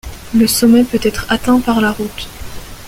Le sommet peut être atteint par la route.